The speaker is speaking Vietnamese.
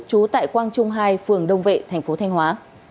chú tại quang trung hai phường đông vệ tp thanh hóa